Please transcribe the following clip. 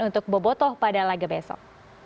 untuk bobotoh pada laga besok